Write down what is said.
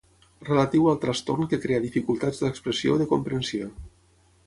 Relatiu al trastorn que crea dificultats d'expressió o de comprensió.